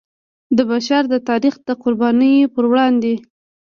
د بشر د تاریخ د قربانیو پر وړاندې.